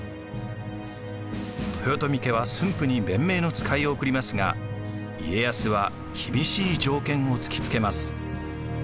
豊臣家は駿府に弁明の使いを送りますが家康は厳しい条件を突きつけます。